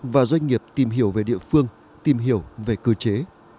và doanh nghiệp tìm hiểu về địa phương tìm hiểu về cơ chế